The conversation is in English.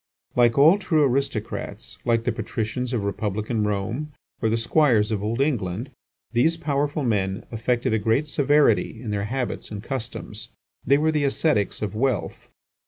Like all true aristocrats, like the patricians of republican Rome or the squires of old England, these powerful men affected a great severity in their habits and customs. They were the ascetics of wealth.